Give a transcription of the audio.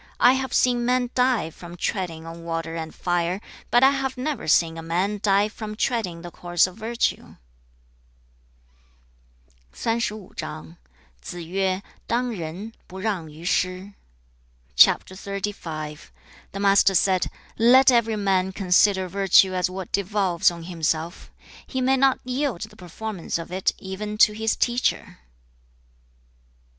I have seen men die from treading on water and fire, but I have never seen a man die from treading the course of virtue.' CHAP. XXXV. The Master said, 'Let every man consider virtue as what devolves on himself. He may not yield the performance of it even to his teacher.'